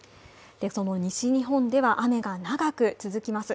西日本では雨が長く続きます。